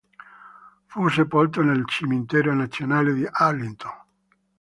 Fu sepolto nel cimitero nazionale di Arlington